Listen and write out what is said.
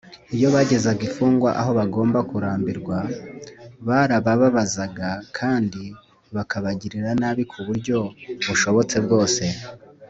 iyo bagezaga imfungwa aho bagomba kubambirwa, barabababazaga kandi bakabagirira nabi ku buryo bushobotse bwose